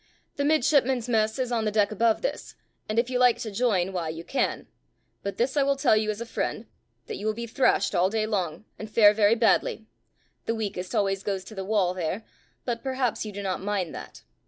The midshipmen's mess is on the deck above this, and if you like to join, why you can; but this I will tell you as a friend, that you will be thrashed all day long, and fare very badly; the weakest always goes to the wall there, but perhaps you do not mind that.